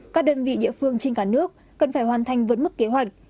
các đơn vị địa phương trên cả nước cần phải hoàn thành vượt mức kế hoạch